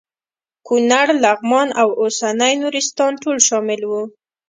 کونړ لغمان او اوسنی نورستان ټول شامل وو.